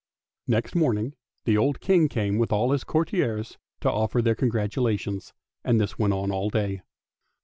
Next morning the old King came with all his courtiers to offer their congratulations, and this went on all day.